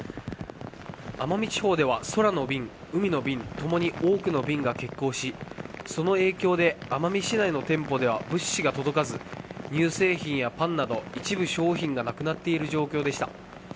奄美地方では空の便海の便共に多くの便が欠航しその影響で奄美市内の店舗では物資が届かず乳製品やパンなど一部商品がなくなっている状況でした。